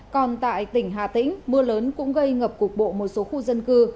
còn tại tỉnh hà tĩnh mưa lớn cũng gây ngập cuộc bộ một số khu dân cư